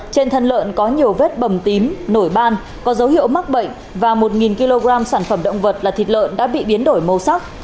trên thân lợn có nhiều vết bầm tím nổi ban có dấu hiệu mắc bệnh và một kg sản phẩm động vật là thịt lợn đã bị biến đổi màu sắc